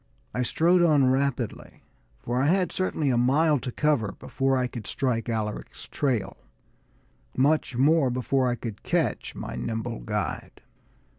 I strode on rapidly, for I had certainly a mile to cover before I could strike Alaric's trail, much more before I could catch my nimble guide.